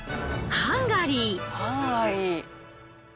ハンガリー。